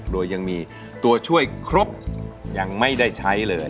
โดยยังมีตัวช่วยครบยังไม่ได้ใช้เลย